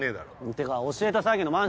てか教えた詐欺のマンション。